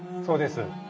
そうです。